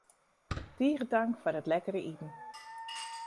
Tige tank foar it lekkere iten.